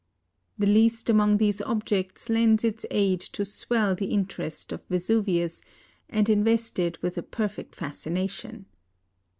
The least among these objects lends its aid to swell the interest of Vesuvius, and invest it with a perfect fascination.